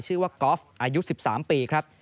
ชื่อว่ากอล์ฟอายุ๑๓ปีครับ